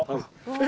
え。